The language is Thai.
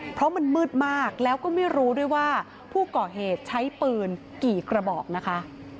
เพราะมันมืดมากแล้วก็ไม่รู้ด้วยว่าผู้ก่อเหตุใช้ปืนกี่กระบอกนะคะ